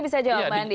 bisa jawab mbak andi